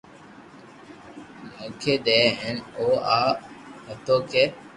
نوکي ديدو ھين او آ ھتو ڪي